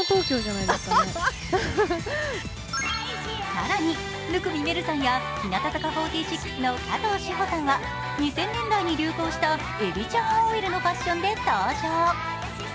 更に、生見愛瑠さんや日向坂４６の加藤史帆さんは２０００年代に流行したエビちゃんＯＬのファッションで登場。